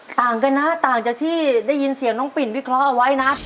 ต่างกันนะต่างจากที่ได้ยินเสียงน้องปิ่นวิเคราะห์เอาไว้นะ